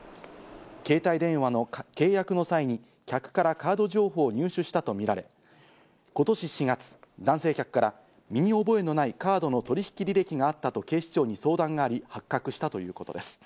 携帯電話の契約の際に客からカード情報を入手したとみられ、今年４月、男性客から身に覚えのないカードの取引履歴があったと警視庁に相談があり発覚したということです。